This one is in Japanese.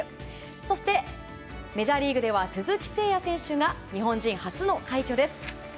そして、メジャーリーグでは鈴木誠也選手が日本人初の快挙です。